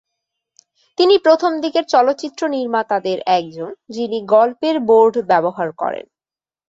তিনি প্রথম দিকের চলচ্চিত্র নির্মাতাদের একজন, যিনি গল্পের বোর্ড ব্যবহার করেন।